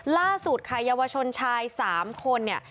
ล่าสุดค่ะเยาวชนชาย๓คนเนี่ย